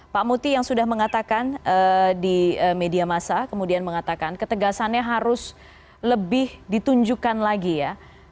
pak muti yang sudah mengatakan di media masa kemudian mengatakan ketegasannya harus lebih ditunjukkan lagi ya